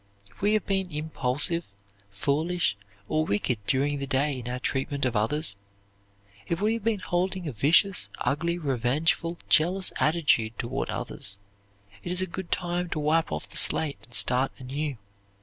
If we have been impulsive, foolish, or wicked during the day in our treatment of others; if we have been holding a vicious, ugly, revengeful, jealous attitude toward others, it is a good time to wipe off the slate and start anew.